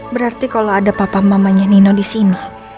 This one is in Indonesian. berarti kalau ada papa mamanya nino di sini